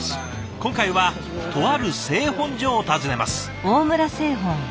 今回はとある製本所を訪ねます。